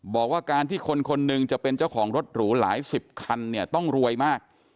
บอกว่าการที่คนคนหนึ่งจะเป็นเจ้าของรถหรูหลายสิบคันเนี่ยต้องรวยมาก